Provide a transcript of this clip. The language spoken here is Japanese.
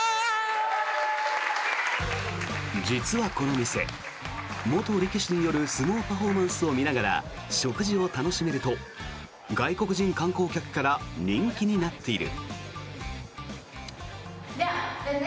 実はこの店、元力士による相撲パフォーマンスを見ながら食事を楽しめると外国人観光客から人気になっている。